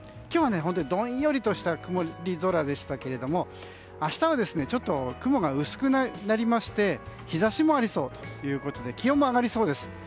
今日は、どんよりとした曇り空でしたけれども明日はちょっと雲が薄くなって日差しもありそうということで気温も上がりそうです。